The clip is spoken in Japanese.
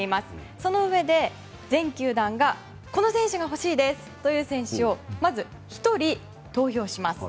そのうえで、全球団がこの選手が欲しいですという選手をまず１人投票します。